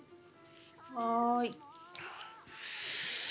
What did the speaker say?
はい。